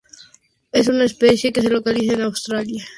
Es una especie que se localiza en Australia.